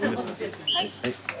はい！